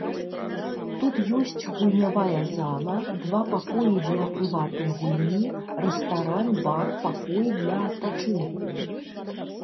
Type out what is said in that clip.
Тут ёсць гульнявая зала, два пакоі для прыватнай гульні, рэстаран, бар, пакой для адпачынку.